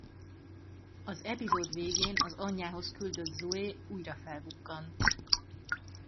Az epizód végén az anyjához küldött Zoe újra felbukkan.